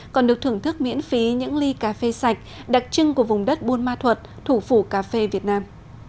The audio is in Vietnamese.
còn được thưởng thức miễn phí những ly cà phê sạch đặc trưng của vùng đất buôn ma thuật thủ phủ cà phê việt nam